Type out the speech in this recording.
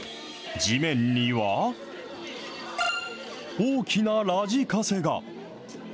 地面には、大きなラジカセが。